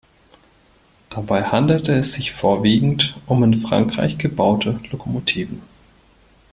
Dabei handelte es sich vorwiegend um in Frankreich gebaute Lokomotiven.